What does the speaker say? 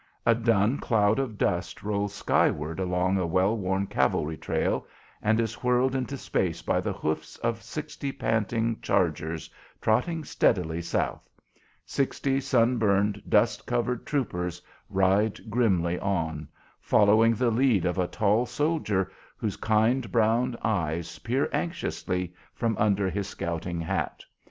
A dun cloud of dust rolls skyward along a well worn cavalry trail, and is whirled into space by the hoofs of sixty panting chargers trotting steadily south. Sixty sunburned, dust covered troopers ride grimly on, following the lead of a tall soldier whose kind brown eyes peer anxiously from under his scouting hat.